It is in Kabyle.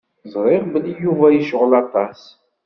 Ẓriɣ belli Yuba yecɣel aṭas.